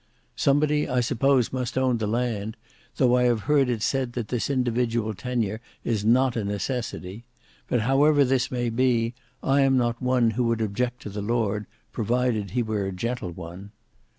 Somebody I suppose must own the land; though I have heard say that this individual tenure is not a necessity; but however this may be, I am not one who would object to the lord, provided he were a gentle one.